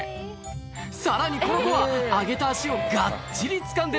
さらにこの子は上げた足をがっちりつかんでる